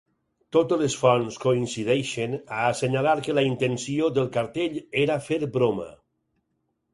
Totes les fonts coincideixen a assenyalar que la intenció del cartell era fer broma.